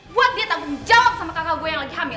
buat dia tanggung jawab sama kakak gue yang lagi hamil